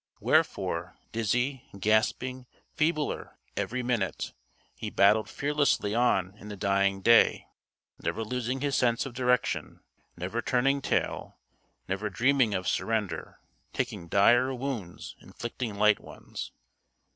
Wherefore dizzy, gasping, feebler every minute he battled fearlessly on in the dying day; never losing his sense of direction, never turning tail, never dreaming of surrender, taking dire wounds, inflicting light ones.